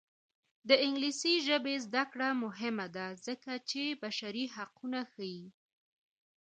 د انګلیسي ژبې زده کړه مهمه ده ځکه چې بشري حقونه ښيي.